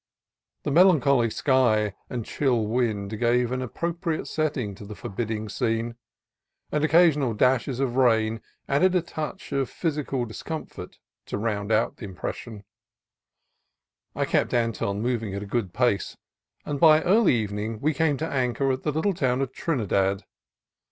The melan choly sky and chill wind gave an appropriate setting to the forbidding scene, and occasional dashes of rain added a touch of physical discomfort to round out the impression. I kept Anton moving at a good pace, and by early evening we came to anchor at the little town of Trinidad.